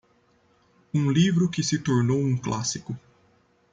um livro que se tornou um clássico.